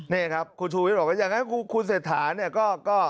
นี่ครับคุณชูวิทย์บอกว่าอย่างนั้นคุณเศรษฐาเนี่ยก็